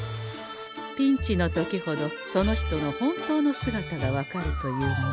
ピンチの時ほどその人の本当の姿が分かるというもの。